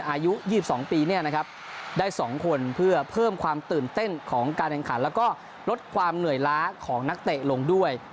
อายุยี่สิบสองปีเนี้ยนะครับได้สองคนเพื่อเพิ่มความตื่นเต้นของการอันขันแล้วก็ลดความเหนื่อยล้าของนักเตะลงด้วย